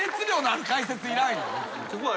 ここは。